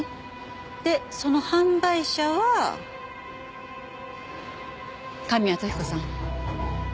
でその販売者は神谷時子さん